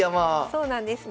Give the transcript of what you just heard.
そうなんです。